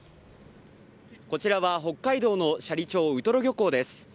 こちらは北海道の斜里町ウトロ漁港です。